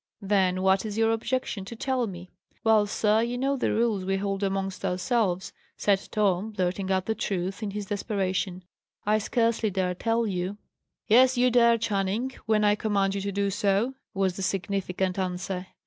"Then what is your objection to tell me?" "Well, sir, you know the rules we hold amongst ourselves," said Tom, blurting out the truth, in his desperation. "I scarcely dare tell you." "Yes, you dare, Channing, when I command you to do so," was the significant answer.